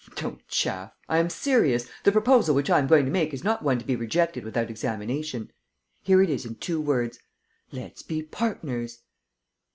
"Don't chaff. I am serious. The proposal which I am going to make is not one to be rejected without examination. Here it is, in two words: let's be partners!"